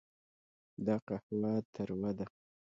دا قهوه تروه ده.